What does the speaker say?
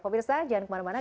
pemirsa jangan kemana mana